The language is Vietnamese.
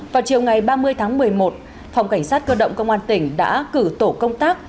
vào chiều ngày ba mươi tháng một mươi một phòng cảnh sát cơ động công an tỉnh đã cử tổ công tác